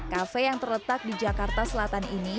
kafe yang terletak di jakarta selatan ini